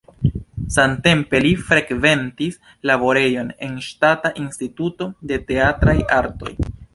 Samtempe li frekventis laborejon en Ŝtata Instituto de Teatraj Artoj.